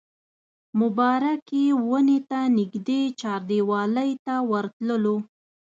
مبارکې ونې ته نږدې چاردیوالۍ ته ورتللو.